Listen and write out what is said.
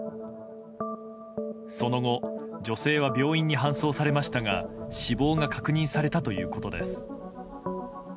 その後、女性は病院に搬送されましたが死亡が確認されたということです。